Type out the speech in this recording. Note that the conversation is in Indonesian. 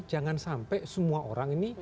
jangan sampai semua orang ini